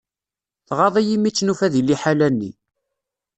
Tɣaḍ-iyi mi tt-nufa di liḥala-nni.